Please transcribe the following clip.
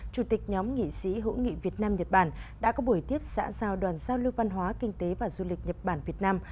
chủ tịch nhóm nghị sĩ hữu nghị việt nam nhật bản đã có buổi tiếp xã giao đoàn giao lưu văn hóa kinh tế và du lịch nhật bản việt nam